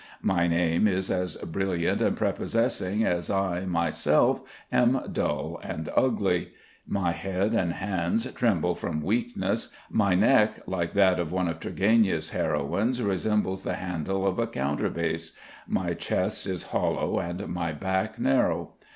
My name is as brilliant and prepossessing, as I, myself am dull and ugly. My head and hands tremble from weakness; my neck, like that of one of Turgeniev's heroines, resembles the handle of a counter bass; my chest is hollow and my back narrow.